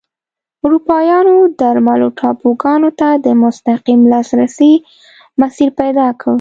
اروپایانو درملو ټاپوګانو ته د مستقیم لاسرسي مسیر پیدا کړ.